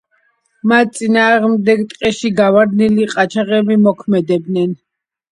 მათ წინააღმდეგ ტყეში გავარდნილი ყაჩაღები მოქმედებენ.